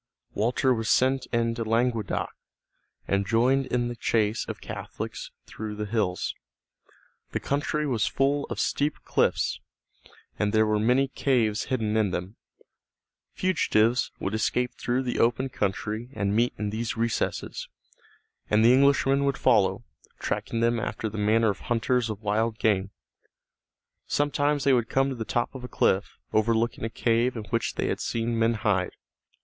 Walter was sent into Languedoc, and joined in the chase of Catholics through the hills. The country was full of steep cliffs, and there were many caves hidden in them. Fugitives would escape through the open country and meet in these recesses, and the Englishmen would follow, tracking them after the manner of hunters of wild game. Sometimes they would come to the top of a cliff, overlooking a cave in which they had seen men hide.